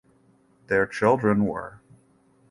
Their children were